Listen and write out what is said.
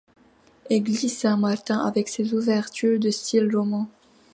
Église Saint-Martin, avec ses ouvertures de style roman.